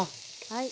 はい。